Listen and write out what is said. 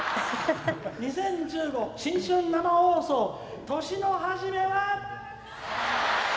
「２０１５新春生放送年の初めは」。